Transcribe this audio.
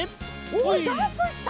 おっジャンプした！